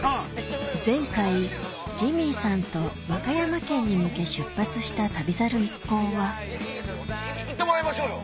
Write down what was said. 前回ジミーさんと和歌山県に向け出発した旅猿一行は行ってもらいましょうよ！